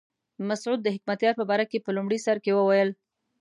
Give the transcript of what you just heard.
مسعود د حکمتیار په باره کې په لومړي سر کې وویل.